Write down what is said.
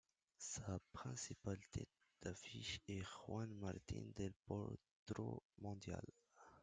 Sa principale tête d'affiche est Juan Martín del Potro, mondial.